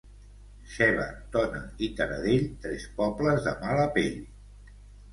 Seva, Tona i Taradell, tres pobles de mala pell.